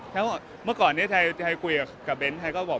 แล้วเมื่อก่อนไทยกลุ่ยกับเบนท์ไทยก็บอก